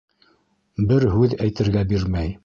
Бер һүҙ әйтергә бирмәй.